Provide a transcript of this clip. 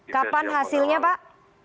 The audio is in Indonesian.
kapan hasilnya pak